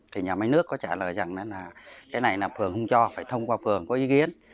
thì nhà máy nước có trả lời rằng là cái này là phường không cho phải thông qua phường có ý kiến